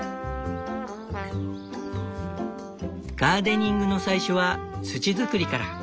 ガーデニングの最初は土づくりから。